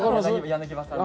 柳葉さん。